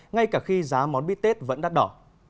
ngay cả khi giá món bít tết vẫn đắt đỏ